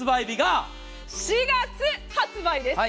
４月発売です。